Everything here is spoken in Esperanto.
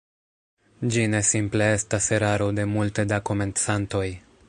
Ĝi ne simple estas eraro de multe da komencantoj.